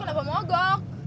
iya tau kenapa mogok